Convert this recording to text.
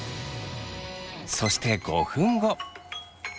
そして５分後。